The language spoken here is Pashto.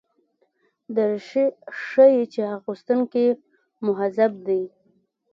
دریشي ښيي چې اغوستونکی مهذب دی.